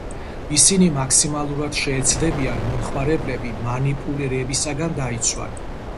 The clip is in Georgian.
ისინი მაქსიმალურად შეეცდებიან მომხმარებლები მანიპულირებისგან დაიცვან.